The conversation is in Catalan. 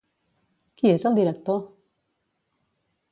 Qui és el director?